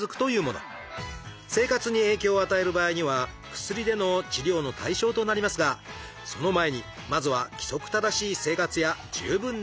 生活に影響を与える場合には薬での治療の対象となりますがその前にまずは規則正しい生活や十分な睡眠。